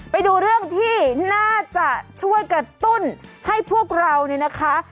ไปดูเรื่องที่น่าจะช่วยกระตุ้นให้พวกเราเนี่ยนะคะ